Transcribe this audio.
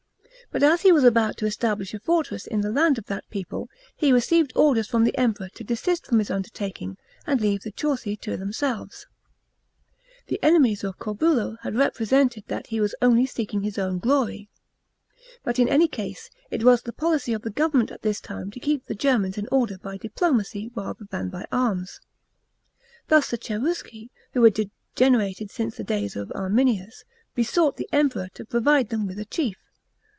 But a* he was about to establish a fortress in the land of that peoi'le, he received orders from the Emperor to desist from his undertaking, and leave the Chauoi to themselves. The enemies of Corbulo had represented 240 THE PBINCIPATE OF CLAUDIUS. CHAP. xv. that he was only seeking his own glory. But in any case it was the policy of the government at this time to keep the Germans in order by diplomacy rather than by arms. Thus the Cherusci, who had degenerated since the days of Arminius, besought the Emperor to provide them with a chief.